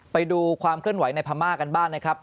ไปดูความเคลื่อนไหวในพม่ากันบ้างนะครับ